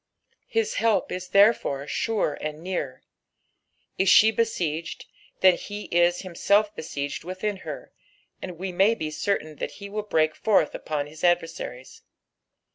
His help ia therefore sure and near. Is she besieged, then he is himself besieged within her, and we may be certain that he will brenk forth upon his adversaries.